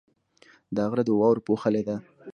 دا غره د واورو پوښلی دی.